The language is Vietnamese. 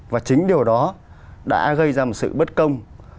và chính điều đó đã gây ra một sự bất công